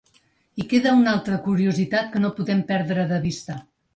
I queda una altra curiositat que no podem perdre de vista.